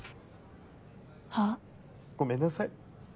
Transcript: は？ごめんなさい。